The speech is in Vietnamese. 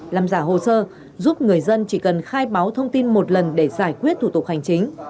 làm giả hồ sơ giúp người dân chỉ cần khai báo thông tin một lần để giải quyết thủ tục hành chính